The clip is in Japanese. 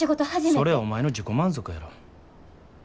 それはお前の自己満足やろ。